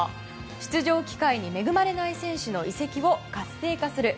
出場機会に恵まれない選手の移籍を活性化する。